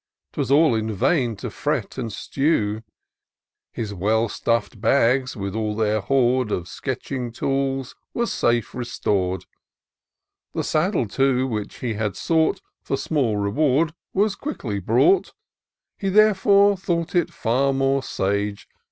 'Twas all in vain to fret and stew : His well stuff'd bags, with all their hoard Of sketching tools, were safe restor'd ; The saddle, too, which he had sought, For small reward was quickly brought ; He therefore thought it far more sage.